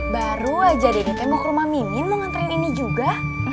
baru aja deh mau ke rumah mimin mau nganterin ini juga